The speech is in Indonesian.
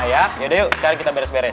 ya yaudah yuk sekarang kita beres beres